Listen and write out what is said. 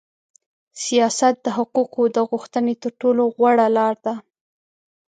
سیاست د حقوقو د غوښتنې تر ټولو غوړه لار ده.